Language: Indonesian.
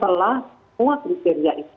demikian mbak prisca